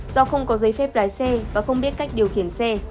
do không có giấy phép lái xe và không biết cách điều khiển xe